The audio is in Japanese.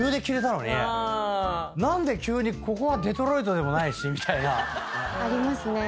何で急にここはデトロイトでもないしみたいな。ありますね。